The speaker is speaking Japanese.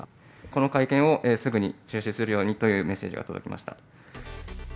この会見をすぐに中止するようにというメッセージが届きました。